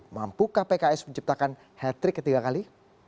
mampukah pks menciptakan hat trick ketiga kali